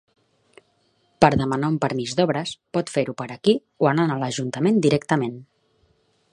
Per demanar un permís d'obres pot fer-ho per aquí o anant a l'ajuntament directament.